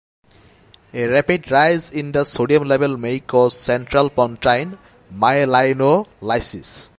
A rapid rise in the sodium level may cause central pontine myelinolysis.